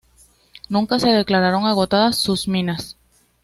Nunca se declararon agotadas sus minas.